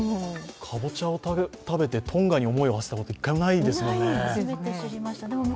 かぼちゃを食べて、トンガに思いをはせたこと、１回もないですもんね。